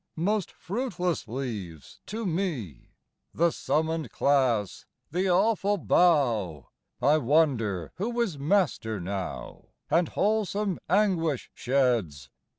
Most fruitless leaves to me! IV. The summon'd class! the awful bow! I wonder who is master now And wholesome anguish sheds!